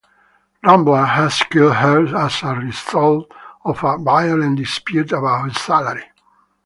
Rambla had killed her as a result of a violent dispute about his salary.